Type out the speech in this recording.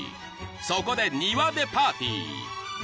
［そこで庭でパーティー］